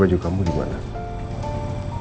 baju aku kan masih banyak di rumah kamu